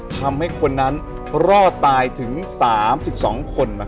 ทำให้คนนั้นรอดตายถึง๓๒คน